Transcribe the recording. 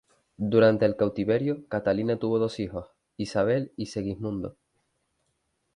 Durante el cautiverio, Catalina tuvo dos hijos, Isabel y Segismundo.